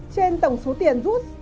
trên tổng số tiền rút